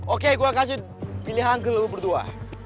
oke gue kasih pilihan ke lagu berdua